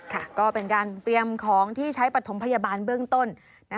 ค่ะก็เป็นการเตรียมของที่ใช้ปฐมพยาบาลเบื้องต้น